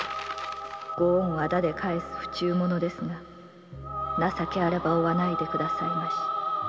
「ご恩を仇で返す不忠者ですが情けあれば追わないでくださいまし」